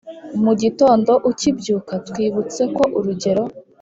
mugitondo ukibyuka twibutse ko urugero